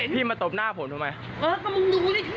พี่มาตบหน้าผมทำไมครับ